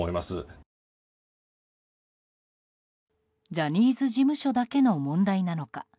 ジャニーズ事務所だけの問題なのか。